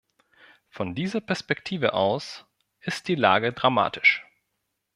Von dieser Perspektive aus, ist die Lage dramatisch.